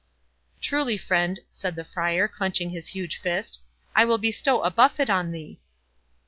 "Truly, friend," said the Friar, clenching his huge fist, "I will bestow a buffet on thee."